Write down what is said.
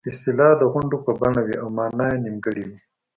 اصطلاح د غونډ په بڼه وي او مانا یې نیمګړې وي